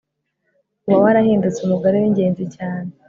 uba warahindutse umugore wingenzi cyane